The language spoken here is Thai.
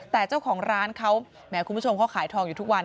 แต่เจ้าของร้านเขาแหมคุณผู้ชมเขาขายทองอยู่ทุกวัน